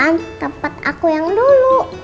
di pantai asuhan tempat aku yang dulu